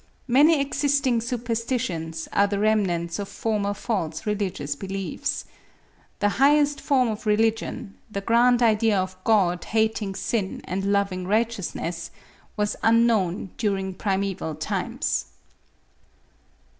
Many existing superstitions are the remnants of former false religious beliefs. The highest form of religion—the grand idea of God hating sin and loving righteousness—was unknown during primeval times.